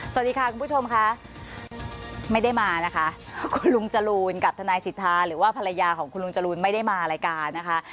สวัสดีค่ะคุณผู้ชมค่ะไม่ได้มานะคะคุณลุงจรูนกับทนายสิทธาหรือว่าภรรยาของคุณลุงจรูนไม่ได้มารายการนะคะ